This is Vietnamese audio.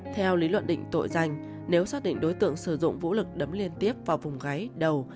theo lý luận định tội danh nếu xác định đối tượng sử dụng vũ lực đấm liên tiếp vào vùng gáy đầu